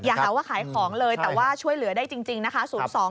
หาว่าขายของเลยแต่ว่าช่วยเหลือได้จริงนะคะ